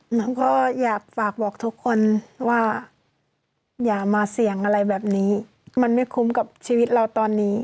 หนูก็อยากฝากบอกทุกคนว่าอย่ามาเสี่ยงอะไรแบบนี้มันไม่คุ้มกับชีวิตเราตอนนี้